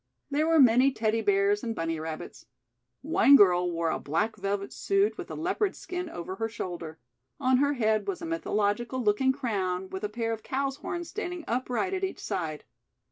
There were many Teddy Bears and Bunny Rabbits. One girl wore a black velvet suit with a leopard's skin over her shoulder. On her head was a mythological looking crown with a pair of cow's horns standing upright at each side.